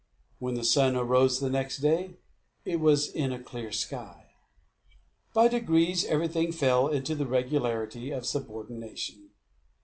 When the sun arose the next day, it was in a clear sky. By degrees, everything fell into the regularity of subordination.